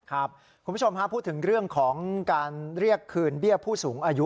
คุณผู้ชมฮะพูดถึงเรื่องของการเรียกคืนเบี้ยผู้สูงอายุ